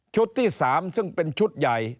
ที่๓ซึ่งเป็นชุดใหญ่